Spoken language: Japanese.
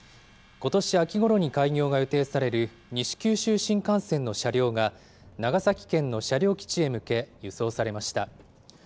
ことし秋ごろに開業が予定される、西九州新幹線の車両が、長崎県の車両基地へ向け、移送されました。